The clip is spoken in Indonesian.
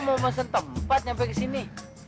lu mau masan tempat nyampe ke sini